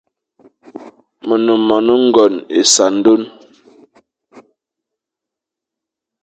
Me ne moan ngone essandone.